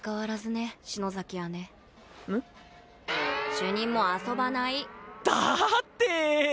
主任も遊ばない！だって！